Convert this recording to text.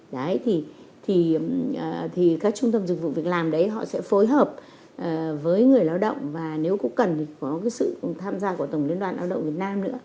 đấy thì các trung tâm dịch vụ việc làm đấy họ sẽ phối hợp với người lao động và nếu cũng cần có cái sự tham gia của tổng liên đoàn lao động việt nam nữa